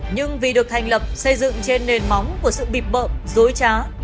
nhưng vì được thành lập xây dựng trên nền móng của sự bịp bợm dối trá